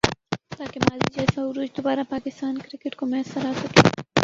تاکہ ماضی جیسا عروج دوبارہ پاکستان کرکٹ کو میسر آ سکے